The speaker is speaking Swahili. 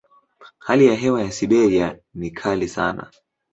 Hali ya hewa ya Siberia ni kali sana.